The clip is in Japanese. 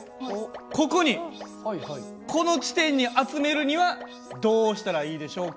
ここにこの地点に集めるにはどうしたらいいでしょうか？